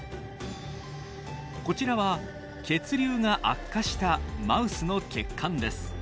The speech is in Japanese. こちらは血流が悪化したマウスの血管です。